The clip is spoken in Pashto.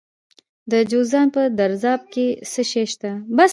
د جوزجان په درزاب کې څه شی شته؟